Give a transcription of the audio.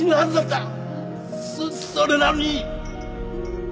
それなのに。